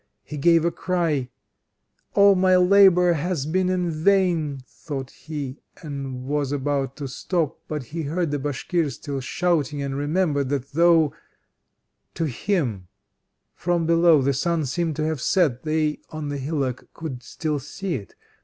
He gave a cry: "All my labor has been in vain," thought he, and was about to stop, but he heard the Bashkirs still shouting, and remembered that though to him, from below, the sun seemed to have set, they on the hillock could still see it.